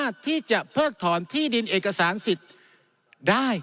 ที่จะเพิกถอนที่ดินเอกสารสิทธิ์ได้